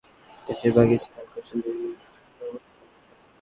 নাগরিক সমাজের সেসব পরিচিত ব্যক্তির বেশির ভাগই ছিলেন ঘোষিতভাবে ধর্মনিরপেক্ষ অবস্থানে।